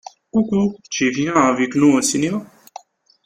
Coucou, tu viens avec nous au cinéma?